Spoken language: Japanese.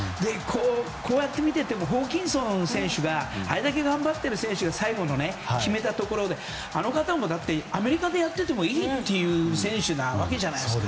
こうやって見ていてもホーキンソン選手があれだけ頑張っている選手が最後に決めたところであの方もアメリカでやっててもいい選手なわけじゃないですか。